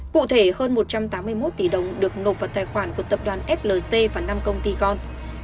cụ thể hơn một trăm tám mươi một tỷ đồng được nộp vào tài khoản của tập đoàn flc và năm công ty con